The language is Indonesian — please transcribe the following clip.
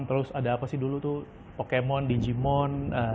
terus ada apa sih dulu tuh pokemon digimon